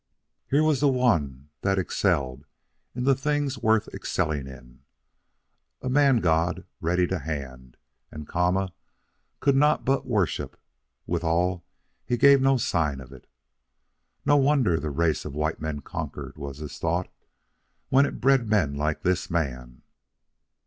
Here was one that excelled in the things worth excelling in, a man god ready to hand, and Kama could not but worship withal he gave no signs of it. No wonder the race of white men conquered, was his thought, when it bred men like this man.